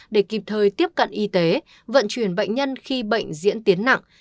để kịp thời tiếp cận y tế vận chuyển bệnh nhân khi bệnh diễn tiến nặng